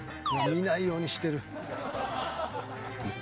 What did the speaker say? ［見ないようにしてる］